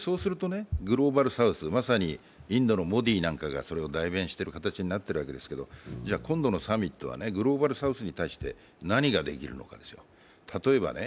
そうするとグローバルサウス、まさにインドのモディなんかがそれを代弁している形になっているわけですけど、今度のサミットはグローバルサウスに対して何ができるかですよ。